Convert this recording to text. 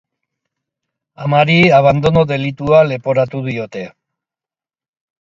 Amari abandono delitua leporatu diote.